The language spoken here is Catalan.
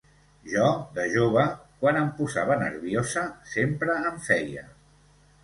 Jo, de jove, quan em posava nerviosa, sempre en feia.